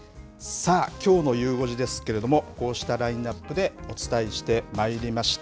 さあ、きょうのゆう５時ですけれども、こうしたラインナップでお伝えしてまいりました。